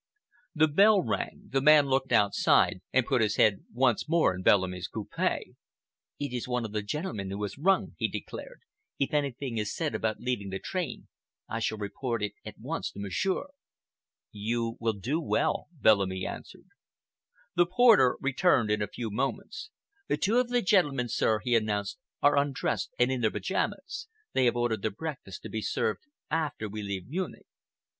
The bell rang. The man looked outside and put his head once more in Bellamy's coupe. "It is one of the gentleman who has rung," he declared. "If anything is said about leaving the train, I shall report it at once to Monsieur." "You will do well," Bellamy answered. The porter returned in a few moments. "Two of the gentlemen, sir," he announced, "are undressed and in their pyjamas. They have ordered their breakfast to be served after we leave Munich."